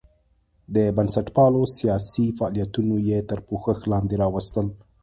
د بنسټپالو سیاسي فعالیتونه یې تر پوښښ لاندې راوستل.